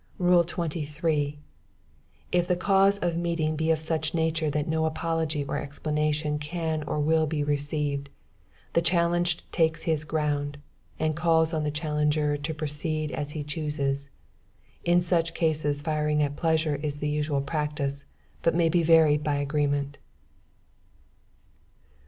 "Rule 23. If the cause of meeting be of such a nature that no apology or explanation can or will be received, the challenged takes his ground, and calls on the challenger to proceed as he chooses: in such cases firing at pleasure is the usual practice, but may be varied by agreement.